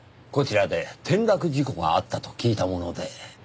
こちらで転落事故があったと聞いたもので。